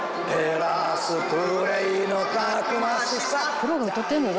「プロが歌ってるんだぞ。